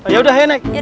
yaudah ayo naik